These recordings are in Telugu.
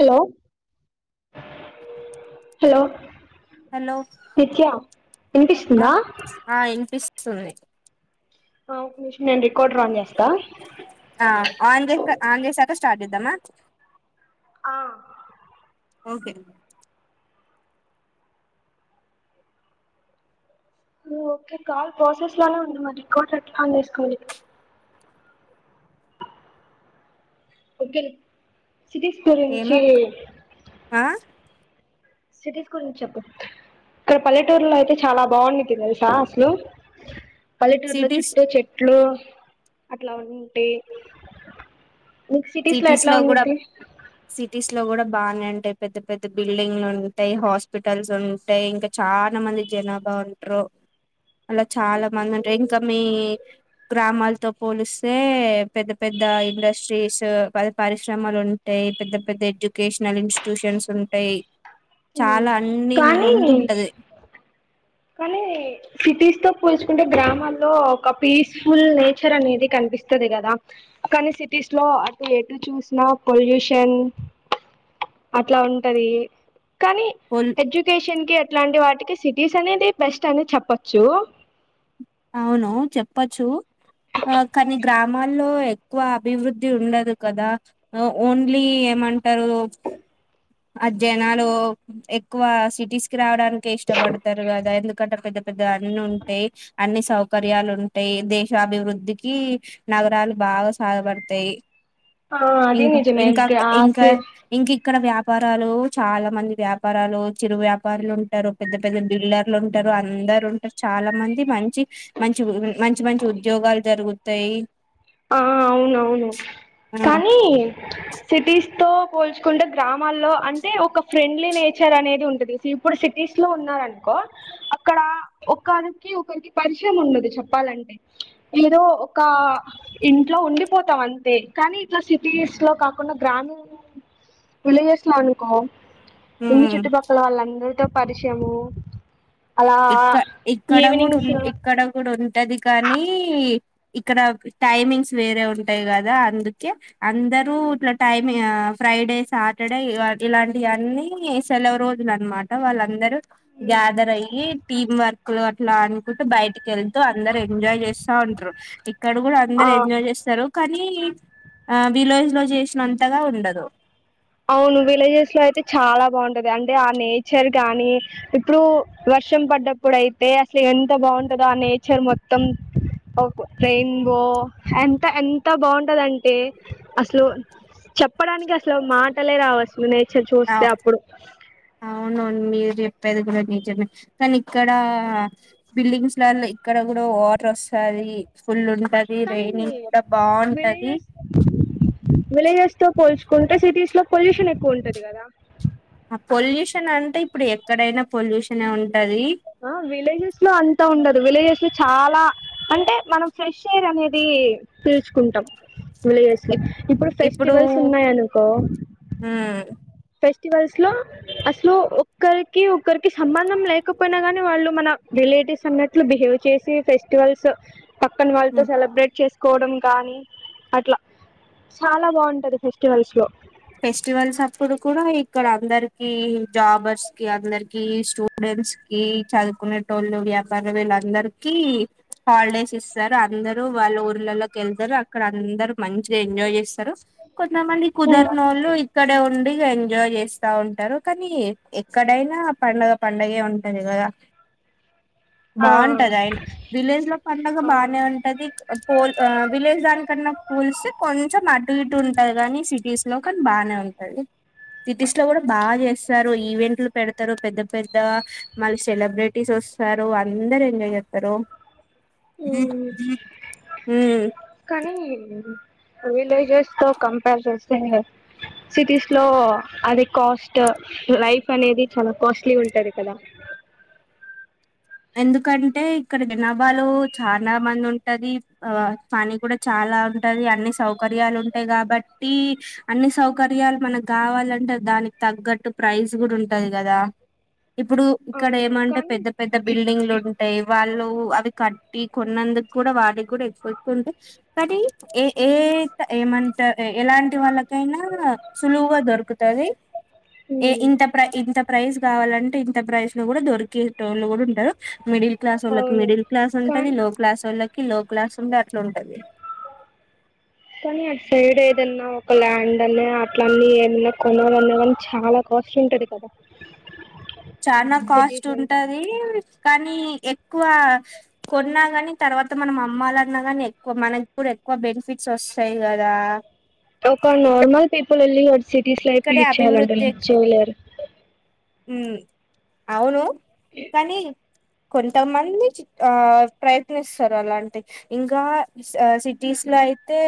హలో హలో హలో నిత్య ఆ వినిపిస్తుందా ఆ వినిపిస్తుంది నిషం నేను రికార్డు రాన్ చేస్తా ఆ ఆన్ చేక ఆన్ చేసాట స్టార్ట్ ఇద్దామా ఆ ఓకే ఓకే కాల్ ప్రాసెస్ లోలానే ఉంది మరి రికార్ట్ ఎట్లా అని చేసుకోండి ఓకే సిటీస్ ఏమో గురించి ఆ స్థటీస్ గు ఇచ్చ చెప్పు ఇక్కడ పల్లెటూరులో అయితే చాలా బాగుంది తినదుసా అసలు పల్లెటూరులో సిటీస్ చుట్టూ చెట్లు అట్లా ఉంటే నక్ సిటీస్ లో ఎట్లా ఉందిది ఇ లో కూడా బాగానే అంటాయి పెద్ద పెద్ద బిల్డింగ్లు ఉంటాయి హాస్పిటల్స్ ఉంటాయి ఇంకా చాలా మంది జనాభా ఉంటారు అలా చాలా మంది ఉంటారు ఇంకా మీ గ్రామాలతో పోలిస్తే పెద్ద పెద్ద ఇండస్ట్రీస్ పద పరిశ్రమలు ఉంటాయి పెద్ద పెద్ద ఎడ్యుకేషనల్ ఇన్స్టిట్యూషన్స్ ఉంటాయి చాలా అన్నిీ కానీ ముందుంటది కానీ సిటీస్ తో పోూల్చుకుంటే గ్రామాల్లో ఒక పీస్ఫుల్ నేచర్ అనేది కంట కనిపిస్తుంది కదా కానీ సిటీస్ లో అటు ఎటు చూసినా పొల్యూషన్ అట్లా ఉంటది కానీ ఎడ్యుకేషన్ కి ఎట్లాంటి వాటికి సిటీస్ అనేది బెస్ట్ అని చెప్పొచ్చు అవును చెప్పచ్చు ఆ కానీ గ్రామాల్లో ఎక్కువ అభివృద్ధి ఉండదు కదా ఓన్లీ ఎ అంటారు అధ్యయనాలు ఎక్కువ సిటీస్ కి రావడానికి ఇష్టపడతారు కదా ఎందుకంట పెద్ద పెద్ద అన్ను ఉంటాయి అన్ని సౌకర్యాలు ఉంటాయి దేశాభివృద్ధికి నగరాలు బాగా సహగపడతాయి ఆ అది ఇంకా నిజమే ఇంకా గ్రాస్ ఇంకా ఇంకా ఇక్కడ వ్యాపారాలు చాలా మంది వ్యాపారాలు చిరు వ్యాపారులు ఉంటారు పెద్ద పెద్ద బిల్డర్లు ఉంటారు అందరు ఉంటారు చాలా మంది మం మ మంచి మంచి మంచి ఉద్యోగాలు జరుగుతాయి ఆ అవునవును ఆ కానీ సిటీస్ తో పోల్చుకుంటే గ్రామాల్లో అంటే ఒక ఫ్రెండ్లీ నేచర్ అనేది ఉంటది ఇప్పుడు సిటీస్ లో ఉన్నార అనుకో అక్కడ ఒకరికి ఒకరికి పరిచయం ఉండదు చెప్పాలంటే ఏదో క్క ఇంట్లో ఉండిపోతాం అంతే కానీ ఇట్లా సిటీస్ లో కాకుండా గ్రామీ విలేజెస్ లో అనుకో ఇంటి ఉమ్ చుట్టుపక్కల వాళ్ళందరితో పరిచయము అలా ఇక్క ఇక్కడ కూడా ఉ ఈవినింగ్స్ ఇక్కడ కూడా ఉ ఉంటది కానీ ఇక్కడ టైమింగ్స్ వేరే ఉంటాయి కదా అందుకే అ ఇందరు ఇట్లా టైమి ఫ్రైడే సాటర్డే ఇలాంటివన్నీ సెలవు రోజులు అన్నమాట మాట వాళ్ళందరూ గ్యాదర్ అయ టీమ్ వర్క్ లో అట్లా అనుకుంటూ బయట వెళ్తూ అందరు ఎంజాయ్ చేస్తా ఉంటారు ఇక్కడ కూడా ఆ అందరు ఎంజాయ్ చేస్తారు కానీ ఆ విలేజ్ లో చేసినంతగా ఉండదు అవును విలేజెస్ లో అయితే చాలా బాగుంటది అంటే ఆ నేచర్ గాని ఇప్పుడు వర్షం పడ్డప్పుడు అయితే అసలు ఎంత బాగుంటందో ఆ నేచర్ మొత్తం రెయిన్బో ఎంత ఎంత బాగుంటదింటే అసలు చెప్పడానికి అసలు మాటలే రావచ్చు నేచర్ చూస్తే అప్పుడు అవునవును మీరు చెప్పేది కూడా నేచర్ కానీ ఇక్కడ బిల్డింగ్స్ లలో ఇక్కడ కూ లో వాటర్ వస్తుంది ఫుల్ ఉంటది కానీది రైనింగ్ కూడా బాగుంటది విలేజెస్ విలేజెస్ తో పోల్చుకుంటే సిటీస్ లో పొల్యూషన్ ఎక్కువ ఉంటది కదా అ పొల్యూషన్ అంటే ఇప్పుడు ఎక్కడైనా పొల్యూషన్ ఉం అ విలేజెస్ లో అంతా ఉండదు విలేజెస్ కి చాలా అంటే మనం ఫ్రెష్ ఎయిర్ అనేది పీల్చుకుంటం విలేజెస్ లో ఇప్ ఇప్పుడు ఫెస్టివల్స్ ఉన్నాయనుకో ఉమ్ ఫెస్టివల్స్లో అస్లు ఒక్కరికి ఒక్కరికి సంబంధం లేకపోయినా గాని వాళ్ళు మన రిలేటివ్స్ అన్నట్లు బిహేవ్ చేసి ఫెస్టివల్స్ పక్కన వాళ్ళతో సెలబ్రేట్ చేస్ కోడం కాని అట్ల చాలా బాగుంటంది ఫెస్టివల్స్లో ఫెస్టివల్స్ అప్పుడు కూడా ఇక్కడ అందరికి జాబర్స్ కి అందరికి స్టూడెం డిస్కీ చదువుకునేటోళ్ళు వ్యాపార వేళ్ళందరిక హాలిడేస్ ఇస్తారు అందరు లు వాళ్ళ ఊర్లలోకి వెళ్తారు అక్కడ అందరు మంచిగా ఎంజాయ్ చేస్తారు కొంతమంది కుదర్నోళ్లు ఇక్కడే ఉండి ఎంజాయ్ చేస్తా ఉంటరు. కానీ ఎక్కడైనా పండగ పండగే ఉంటది కదా ఆ బావుంటది ఆయన విలేజ్ లో పండగ అవును బాగానే ఉంటది పోల్ ఆ విలేజ్ దానికన్నా పుల్స్తే కొంచం అటు ఇటు ఉంటాది కానీ సిటీస్ లో కానీ బాగానే ఉంటాంది సిటీస్లో కూడా బా చేస్తారు ఈవెంట్లు పెడతారు పెద్ద పెద్ద మళ్ళీ సెలబ్రిటీస్ ఒ సరూ అందర్ ఎంజాయ్ చేత్తరు హ్మ్ విలేజెస్తో కంపేర్ చేస్తే సిటీస్లో అది కాస్ట్ లైఫ్ అనేది చాలా కాస్ట్లీ గుంటది కదా ఎందుకంటే ఇక్కడ జనాభాలు చానా మంది ఉంటది ఆ పని కూడా చా లా ఉంటది అన్ని సౌకర్యాలు ఉంటయ్ కాబట్టి అన్ని సౌకర్యాలు మనకు కావాలంటే దానికి తగ్గట్టు ప్రైస్ కూడా ఉంటది కదా. ఇప్పుడు ఇక్కడ అవును ఏమంటే కానీ పెద్ద పెద్ద బిల్డింగ్లు ఉంటాయి వాళ్ళు అవి కట్ టి కొన్నందుకు కూడా వాడికి కూడా ఎక్కు ఎక్కు ఉంటే కానీ ఎ ఏ ఏమంట ఎలాంటి వాళ్ళకైనా సులువుగా దొరుకుత వి ఇ ఉమ్, ఇంత ప్రై ఇంత ప్రైజ్ కావాలంటే ఇంత ప్రైస్ లో కూడా దొరికేటోళ్ళు కూడా ఉంటారు మిడిల్ క్లాస్ ఒళ్ళకి అవును మిడిల్ క్లాస్ ఉంటుంది కానీ లో క్లాస్ ఒళ్ళకి కి లో క్లాస్ ఉండే అట్లుంటది కాని అట్ సైడ్ ఏదన్నా ఒక ల్యాండ్ అన్న అట్లన్ని ఏదన్నా కొనగలున్నా కానీ చాలా వాష్ ఉంటది కదా చానా కాస్ట్ సిటీస్ అంటే ఉంటది కానీ ఎక్కువ కొన్నా కాని తర్వాత మనం అమ్మలున్నా కాని ఎక్కువ మన ఇప్పుడు ఎక్కువ బెనిఫిట్స్ వస్ సై గదా ఒక నార్మల్ పీపుల్ ఎళ్ళి సిటీస్ లైఫ్ ఇక్కడే లీడ్ చెయ్యాలంటారు లీడ్ చేయలేరు ఉమ్ అవును కనీ కొంతమంది ఆ ప్రయత్నిస్తారు అలాంటి ఇంకా ఆ సిటీస్లో అయితే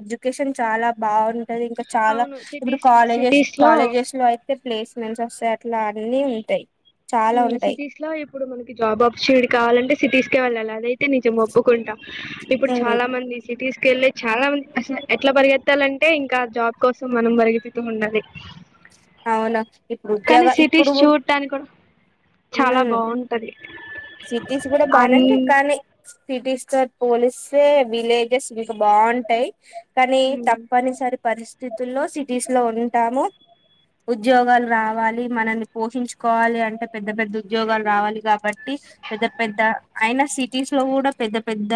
ఎడ్యుకేషన్ చాలా బాగుం టది ఇంకా చాలా అవును ఇప్పుడు సిటీస్ కాలేజెస్ సిటీస్ లో కాలేజెస్ లో అయితే ప్లేస్మెంట్స్ వస్తాయ్ ట్ల అన్నీ ఉంటయ్ ఉమ్ సిటీస్ లో ఇప్పుడు మనకి జాబ్ ఆపర్చునిటీ కావాలంటే సిటీస్కే వెళ్ళాలి అదై టి నిజం ఒప్పుకుంట ఇప్పుడు ఉమ్ చాలా మంది సిటీస్కెళ్ళే చాలా మంది అసల ఎట్ల పరిగెత్తాలంటే ఇంకా జాబ్ కోసం మనం పరిగెత్తూ ఉండాలి అవును ఇప్పుడు కాని ఉద్యోగ సిటీస్ ఇప్పుడు చూడ్టానిక్ కూడ చాలా మ్ బావుంటది సిటీస్ కూడా బానేండి కానీ సిటీస్తో పోలిస్తే విలేజెస్ ఇంకా బాగుంటయ్ కానీ తప్పనిసరి పరిస్థితుల్లో సిటీస్ లో ఉంటాము ఉద్యోగాలు రావాలి మనల్ని పోషించుకోవాలి అంటే పెద్ద పెద్ద ఉద్యోగాలు రావాలి కాబ ట్టి పెద్ద పెద్ద అయినా సిటీస్ లో కూడా పెద్ద పెద్ద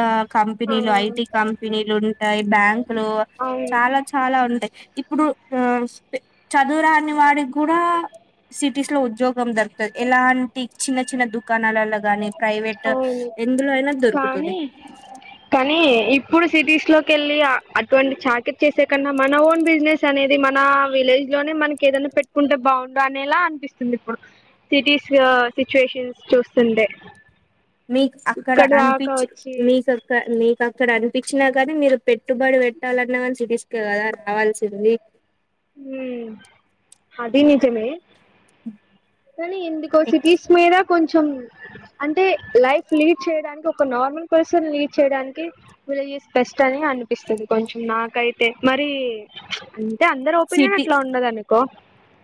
ఆ కంపెనీలు ఐటీ కంపెనీలు ఉంటాయి బ్యాంకులు అవును చాలా చాలా ఉంటాయి ఇప్పుడు ఆ చదువురాని వాడికి కూడా సిటీస్ లో ఉద్యోగం దొరుకుతది ఎలాంటి చిన్న చిన్న దు అవును ఎందులో అయినా దొరుకుతది కానీ కానీ ఇప్పుడు సిటీస్ లోకెళ్ళి అటువంటి చాకిరీ చేసే కన్నా మన ఓన్ బిజినెస్ అనేది మన విలేజ్ లోనే మనకి ఏదన్నా పెట్టుకుంటే బాగుండు అనేలా అనిపిస్తుంది ఇప్పుడు సిటీస్ సిచ్యుయేషన్స్ చూ స్తుంటే మీకు అక్కడ అనిపించి మీకక్క మీక అక్కడ అనిపించినా కానీ మీరు పెట్టుబడి పెట్టాలన్నా గానీ సిటీస్కే కదా రావాల్సింది ఉమ్ అది నిజమే కానీ ఎందుకో సిటీస్ మీద కొంచెం అంటే లైఫ్ లీడ్ చేయడానికి ఒక నార్మల్ పర్సన్ లీడ్ చేయడానికి విలేజెస్ బెస్ట్ అని అనిపిస్తుంది కొంచెం నాకైతే మరి అంటే అందరు [unintelligible] అట్లా ఉండదనుకో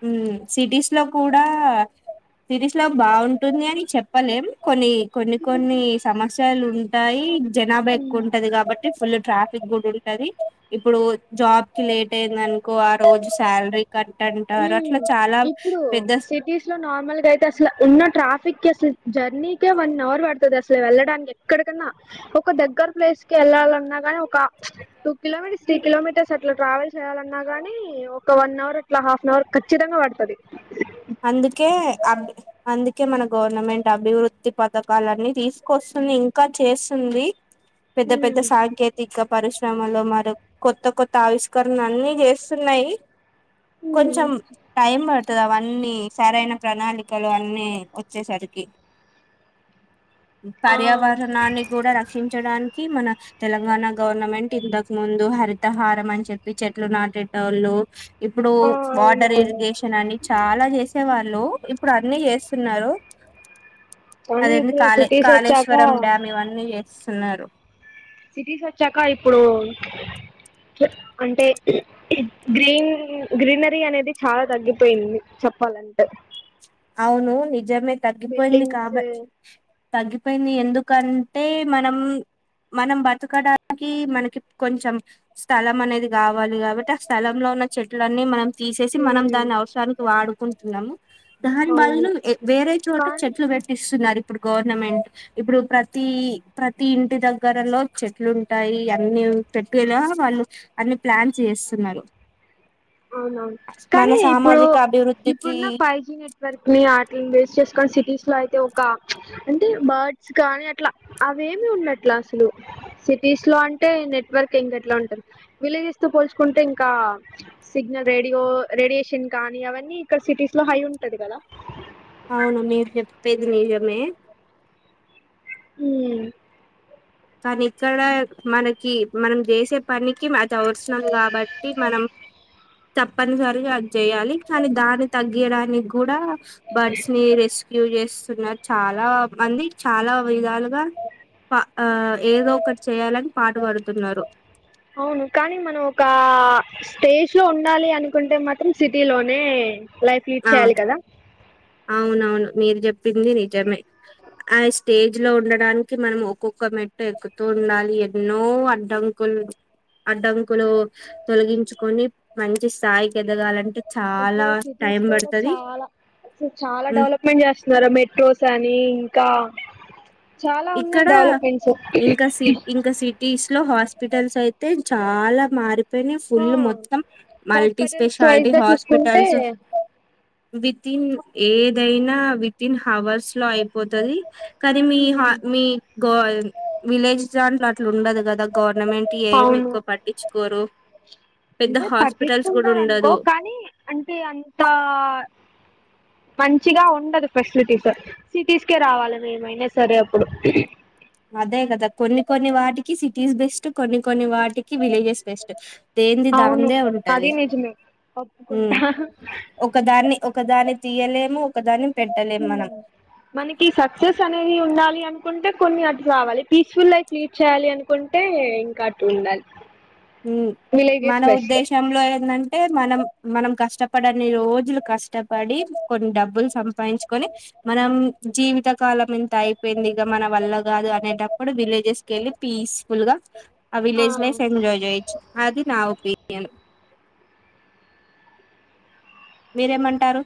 ఉమ్ సిటీస్ లో కూడా సిటీస్ లో బాగుంటుంది అని చెప్పలేం కొన్ని కొన్ని కొన్ని సమస్యలు ఉంటాయి జనాభా ఎక్కువ ఉంటది కాబట్టి ఫుల్ ట్రా ఫిక్ కూడా ఉంటది ఇప్పుడు జాబ్ కి లేట్ అయిందనుకో ఆ రోజు సాలరీ కట్ అంటారు అట్ల హ్మ్ ఇప్పుడు సిటీస్ లో నార్మల్గా అయితే అసలు ఉన్న ట్రాఫిక్ కి అసలు జర్నీకే వన్ అవర్ పడుతది అసలు వెళ్ళడానికి ఎక్కడికన్నా ఒక దగ్గర ప్లేస్ కి వెళ్లాలన్నా ఒక టూ కిలోమీటర్స్ త్రీ కిలోమీటర్స్ అట్లా ట్రావెల్ చేయాలన్నా గానీ ఒక వన్ అవర్ అట్లా హాఫ్ అన్ అవర్ ఖచ్చితంగా పడుతది అందుకే అబ్ అందుకే మన గవర్నమెంట్ అభివృద్ధి పథకాలన్ని తీసుకొస్త తుంది ఇంకా చేస్తుంది పెద్ద పెద్ద హ్మ్ సాంకేతిక పరిశ్రమలో మరి కొత్త కొత్త ఆవిష్కరణ అన్ని చేస్తున్నాయి కొంచం టైం పడుతది అవ అన్ని సరైన ప్రణాళికలో అన్నీ వచ్చేసరికి ఆ పర్యావరణాన్ని కూడా రక్షించడానికి మన తెలంగాణ గవర్నమెంట్ ఇంతకు ముందు హరితహారం అని చెప్పి చెట్లు నాటేటోళ్ళు ఇప్పుడు ఆ వాటర్ అవునవును ఇరిగేషన్ అని చాలా చేసేవాళ్ళు ఇప్పుడు అన్ని చేస్తున్నారు కానీ అదేంది ఇప్పుడు కాళ సిటీస్ వచ్చాక కాళేశ్వరం డ్యామ్ ఇవన్నీ చేస్తున్నారు సిటీస్ వచ్చాక ఇప్పుడు అంటే గ్రీన్ గ్రీనరీ అనేది చాలా తగ్గిపోయింది [unintelligible] అవును నిజమే తగ్గిపోయింది బిల్డింగ్స్ కాబ తగ్గిపోయింది ఎందుకంటే మనం మనం బతకడానికి మనకి కొంచెం స్థలం అనేది కావాలి కాబట్టి ఆ స్థలంలో ఉన్న చెట్లన్నీ మనం తీసేసి మనం ఉమ్ దాన్ని అవసరానికి వాడుకుంటున్నాము దాని అవును బదులు వేరే చోట కానీ చెట్లు పెట్టిస్తున్నారు ఇప్పుడు గవర్నమెంట్ ఇప్పుడు ప్రతి ప్రతి ప్రతి ఇంటి దగ్గరలో చెట్లుంటాయి అన్ని పెట్నా వాళ్ళు అ ప్లాన్స్ చేస్తున్నారు అవునవును మన కానీ ఇప్పుడు సామాజిక అభివృద్ధికి ఇప్పుడున్న ఫైవ్ జి నెట్ వర్క్ ని వాట్లని వేస్ట్ చేసుకొని సిటీస్ లో అయితే ఒక ప్చ్ అంటే బర్డ్స్ కానీ అట్లా ఏమి ఉన్నట్ల అసలు సిటీస్ లో అంటే నెట్వర్క్ ఇంకా ఎట్ల ఉంటారు విలేజెస్ తో పోల్చు కుంటే ఇంకా సిగ్నల్ రేడియో రేడియేషన్ కానీ అవన్నీ ఇక్కడ సిటీస్ లో హై ఉంటది కదా అవును మీరు చెప్పేది నిజమే హు కానీ ఇక్కడ మనకి మనం చేసే పనికి అది అవసరం కాబట్టి మనం తప్పనిసరిగా అది చేయాలి కానీ దాన్ని తగేడానికి కూడ బర్డ్స్ ని రెస్క్యూ చేస్ [unintelligible] చాల మంది చాల విధాలుగ ఆ ఏదో ఒకటి చేయాలని పాట పాడుతున్నారు అవును కానీ మనం ఒకా స్టేజ్ లో ఉండాలి అనుకుంటే మాత్రం సిటీ లోనే లైఫ్ లీడ్ ఆ చేయాలి కద అవునవును మీరు చెప్పింది నిజమే ఆ స్టేజ్ లో ఉండడానికి మనం ఒక్కొక్క మెట్టు ఎక్కుతూ ఉండాలి ఎన్నో అడ్డంకు అడ్డంకులు తొగించుకొని మంచి స్థాయి ఎదగాలంటే చాల తీసుకోడం చాల అసలు చాల హ్మ్ డెవలప్మెంట్ చేస్తున్నారు మెట్రోస్ అని ఇంకా చాల ఉన్నాయి ఇక్కడ డెవలప్మెంట్స్ ఇంకా సి ఇంకా [unintelligible] హాస్పిటల్స్ అయితే చాల మారి కాని ఆ ఫుల్ మొత్తం మల్టీ హాస్పిటల్స్ స్పెషాలిటీ వైజ్ గా చూసుకుంటే హాస్పిటల్స్ [unintelligible] ఏదైన వితిన్ అవర్స్ లో అయిపోతుంది కానీ మీ మీ గో విలేజ్ దాంట్లో అట్లు ఉండదు కదా గో టూర్నమెంట్ ఏం అవును ఎక్కువ పట్టించుకోరు పెద్ద అంటే హాస్పిటల్స్ కూడా పట్టిచుకుంటారునుకో ఉండదు కానీ అంటే అంతా మంచిగా ఉండదు ఫెసిలిటీస్ సిటీస్కే రావాలి మేమైనా సరే అప్పుడు అదే కదా కొన్ని కొన్ని వాటికి సిటీస్ బెస్ట్ కొన్ని కొన్ని వ వాటికి విలేజెస్ బెస్ట్ అవును [unintelligible] ఉంటది అది నిజమే ఒప్పుకుంటా ఒకదాన్ని ఒకదాన్ని తీయలేము ఒకదాన్ని పెట్టలేము మనం మనకి సక్సెస్ అనేది ఉండాలి అన్ కుంటే కొన్ని అటు రావాలి పీస్ఫుల్ లైఫ్ లీడ్ చేయాలి అనుకుంటే ఇంకా అట్లు ఉండాలి విలేజెస్ మన బెస్ట్ ఉద్దేశంలో [unintelligible] అంటే మనం మనం కష్టపడన్ని రోజులు కష్టపడి కొన్ని డబ్బులు సంపాదించుకొని మనం జీవితకాలం [unintelligible] అయిపోయింది ఇక మన వల్ల కాదు అనేటప్పుడు విలేజెస్ కెళ్ళి పీస్ఫుల్ గా ఆ విలేజ్ లైఫ్ ఎంజాయ్ అది నా ఒపీనియన్ మీరేమంటారు